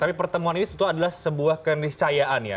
tapi pertemuan ini sebetulnya adalah sebuah keniscayaan ya